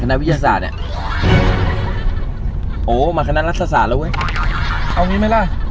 มาคณะวิทยาศาสตร์เนี่ยโอ้มาคณะลักษฎาศาสตร์แล้วเว้ย